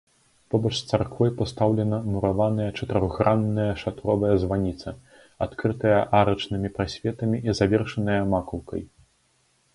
Побач з царквой пастаўлена мураваная чатырохгранная шатровая званіца, адкрытая арачнымі прасветамі і завершаная макаўкай.